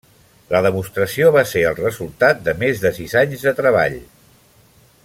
La demostració va ser el resultat de més de sis anys de treball.